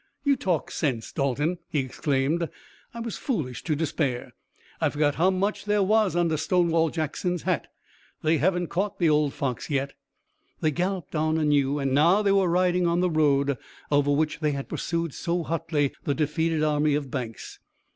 "You talk sense, Dalton!" he exclaimed. "I was foolish to despair! I forgot how much there was under Stonewall Jackson's hat! They haven't caught the old fox yet!" They galloped on anew, and now they were riding on the road, over which they had pursued so hotly the defeated army of Banks.